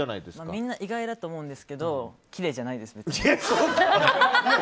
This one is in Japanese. みんな意外だと思うんですけどきれいじゃないです。